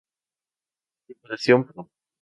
Diputación Prov.